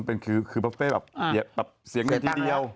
เขาก็บอกว่ามันเป็นปัฟเฟ่แบบเสียงหนึ่งทีเดียว